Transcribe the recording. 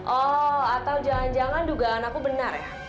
oh atau jangan jangan dugaan aku benar ya